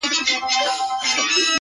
کور مي د بلا په لاس کي وليدی،